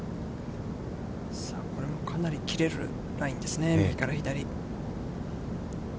これもかなり切れるラインですね、右から左。